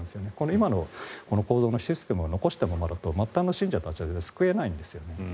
今の構造のシステムを残したままだと末端の信者たちを救えないんです。